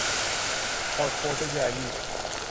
پاسپورت جعلی